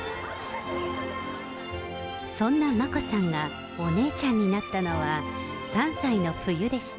そんな眞子さんがお姉ちゃんになったのは３歳の冬でした。